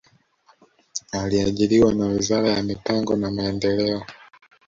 Aliajiriwa na wizara ya mipango na maendeleo